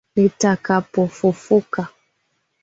Nitakapofufuka,